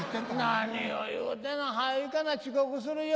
「何を言うてんの早う行かな遅刻するよ」